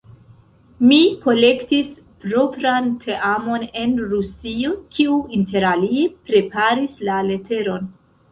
Mi kolektis propran teamon en Rusio, kiu interalie preparis la leteron.